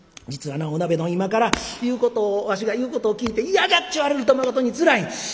実はなお鍋どん今から言うことをわしが言うことを聞いて嫌じゃっちゅう言われるとまことにつらい。